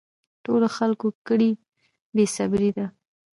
ټولو خلکو کړی بې صبري ده